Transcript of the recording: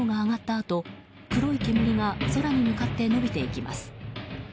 あと黒い煙が空に向かって伸びていきます。